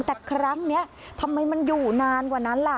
แต่ครั้งนี้ทำไมมันอยู่นานกว่านั้นล่ะ